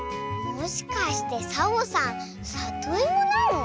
もしかしてサボさんさといもなの？